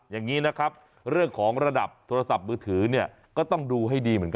อย่างนี้นะครับเรื่องของระดับโทรศัพท์มือถือ